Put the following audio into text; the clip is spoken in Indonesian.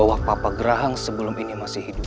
bahwa papa gerhang sebelum ini masih hidup